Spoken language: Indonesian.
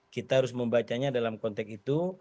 kita harus membacanya dalam konteks itu